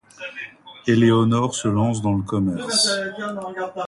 Eléonore se lance dans le commerce.